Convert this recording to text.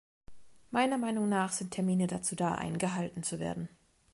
Meiner Meinung nach sind Termine dazu da, eingehalten zu werden.